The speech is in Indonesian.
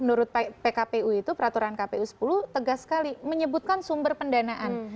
menurut pkpu itu peraturan kpu sepuluh tegas sekali menyebutkan sumber pendanaan